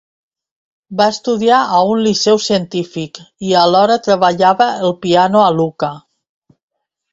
Va estudiar a un liceu científic i alhora treballava el piano a Lucca.